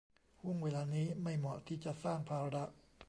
ห้วงเวลานี้ไม่เหมาะที่จะสร้างภาระ